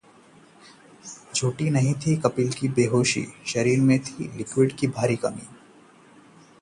झूठी नहीं थी कपिल की बेहोशी, शरीर में थी लिक्विड की भारी कमी